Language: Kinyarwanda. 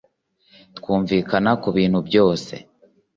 Twumvikana ku bintu byose